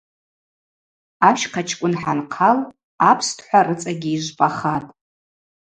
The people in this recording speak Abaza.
Ащхъачкӏвын хӏанхъал апстхӏва рыцӏагьи йыжвпӏахатӏ.